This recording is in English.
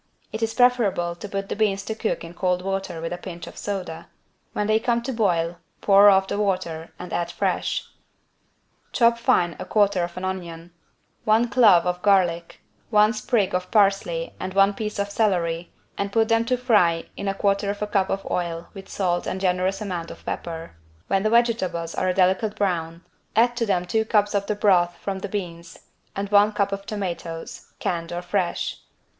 It is preferable to put the beans to cook in cold water with a pinch of soda. When they come to boil, pour off this water and add fresh. Chop fine 1/4 onion, one clove of garlic, one sprig of parsley and one piece of celery and put them to fry in 1/4 cup of oil with salt and a generous amount of pepper. When the vegetables are a delicate brown add to them two cups of the broth from the beans and 1 cup of tomatoes (canned or fresh).